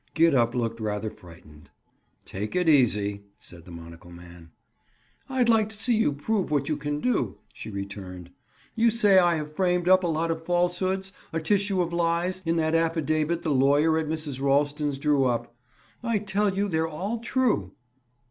Gid up looked rather frightened. "Take it easy," said the monocle man. "I'd like to see you prove what you can do," she returned. "You say I have framed up a lot of false hoods—a tissue of lies—in that affidavit the lawyer at Mrs. Ralston's drew up. I tell you they're all true."